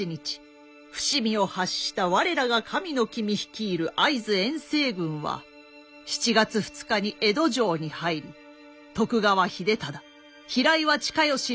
伏見を発した我らが神の君率いる会津遠征軍は７月２日に江戸城に入り徳川秀忠平岩親吉らの軍勢と合流。